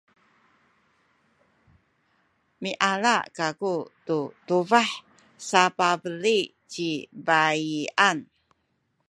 miyala kaku tu tubah sapabeli ci baiyan.